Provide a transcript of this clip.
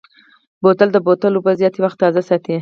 بوتل د بوتل اوبه زیات وخت تازه ساتي.